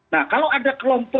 nah kalau ada